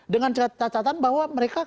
dengan cacatan bahwa mereka